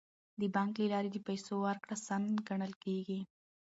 د بانک له لارې د پیسو ورکړه سند ګڼل کیږي.